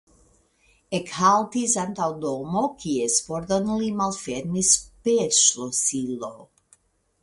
Ekhaltis antaŭ domo, kies pordon li malfermis per ŝlosilo.